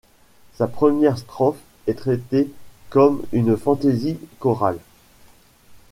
La première strophe est traitée comme une fantaisie chorale.